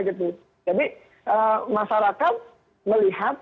jadi masyarakat melihat